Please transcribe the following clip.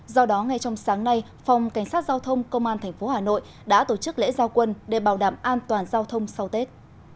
do đó ngay trong sáng nay phòng cảnh sát giao thông công an tp hà nội đã tổ chức lễ giao quân để bảo đảm an toàn giao thông sau tết